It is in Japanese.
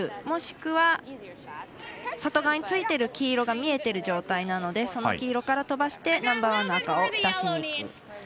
もしくは、外側についている黄色が見えている状態なのでその黄色から飛ばしてナンバーワンの赤を出しにいく。